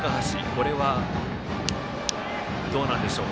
これは、どうなんでしょう。